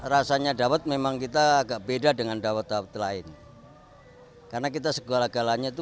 rasanya dawet memang kita agak beda dengan dawet dawet lain karena kita segala galanya itu